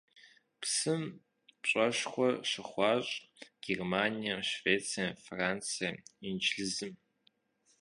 Псым пщӀэшхуэ щыхуащӀ Германием, Швецием, Францием, Инджылызым.